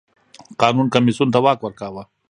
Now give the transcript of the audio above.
قانون کمېسیون ته واک ورکاوه.